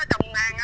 ở trong hang